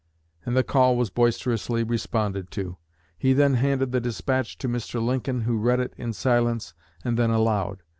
and the call was boisterously responded to. He then handed the dispatch to Mr. Lincoln, who read it in silence, and then aloud.